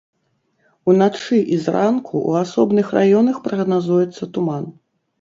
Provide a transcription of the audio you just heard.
Уначы і зранку ў асобных раёнах прагназуецца туман.